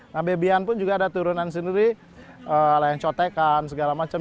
nah babyan pun juga ada turunan sendiri layang cotekan segala macam